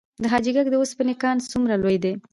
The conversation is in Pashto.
د حاجي ګک د وسپنې کان څومره لوی دی؟